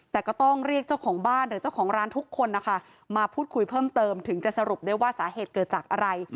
แต่ก็ต้องเรียกเจ้าของบ้านหรือเจ้าของร้านทุกคนนะคะมาพูดคุยเพิ่มเติมถึงจะสรุปได้ว่าสาเหตุเกิดจากอะไร